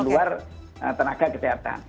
keluar tenaga kesehatan